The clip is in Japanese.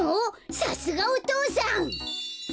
さすがお父さん！